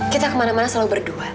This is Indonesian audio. kita kemana mana selalu berdua